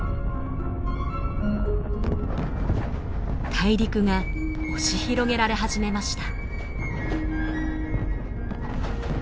大陸が押し広げられ始めました。